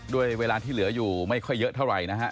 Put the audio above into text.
ด้วยเวลาที่เหลืออยู่ไม่ค่อยเยอะเท่าไหร่นะฮะ